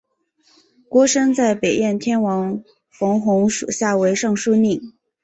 郭生在北燕天王冯弘属下为尚书令。